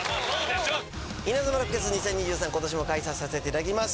『イナズマロックフェス２０２３』今年も開催させて頂きます。